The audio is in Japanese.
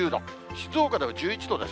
静岡では１１度です。